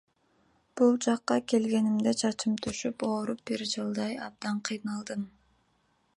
Бул жакка келгенимде чачым түшүп, ооруп бир жылдай абдан кыйналдым.